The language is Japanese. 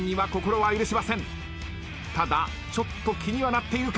ただちょっと気にはなっているか。